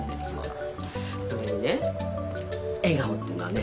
それにね笑顔っていうのはね